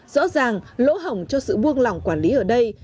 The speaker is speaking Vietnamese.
rõ ràng lỗ hỏng cho sự buông lỏng quản lý ở đây